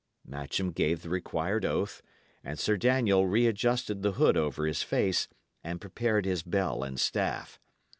Matcham gave the required oath; and Sir Daniel re adjusted the hood over his face, and prepared his bell and staff.